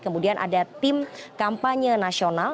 kemudian ada tim kampanye nasional